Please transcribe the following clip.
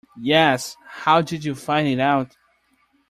Yes, how did you find it out?